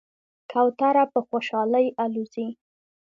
کوتره په خوشحالۍ الوزي.